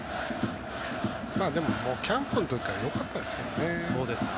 キャンプの時からよかったですけどね。